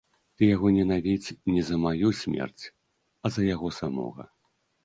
Ты яго ненавідзь не за маю смерць, а за яго самога.